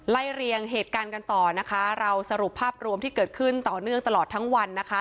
เรียงเหตุการณ์กันต่อนะคะเราสรุปภาพรวมที่เกิดขึ้นต่อเนื่องตลอดทั้งวันนะคะ